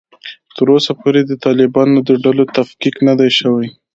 تر اوسه پورې د طالبانو د ډلو تفکیک نه دی شوی